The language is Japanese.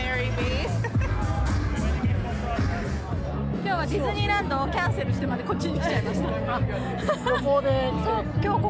きょうはディズニーランドをキャンセルしてまで、こっちに来ちゃいました。